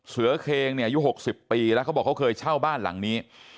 เสือเคงเนี่ยอายุ๖๐ปีแล้วเขาบอกเขาเคยเช่าบ้านหลังนี้